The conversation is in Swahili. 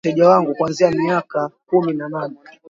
mimi wateja wangu kuanzia miaka kumi na nane